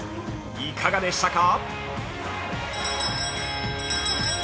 いかがでしたか？